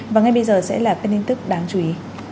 và ngay bây giờ sẽ là các tin tức đáng chú ý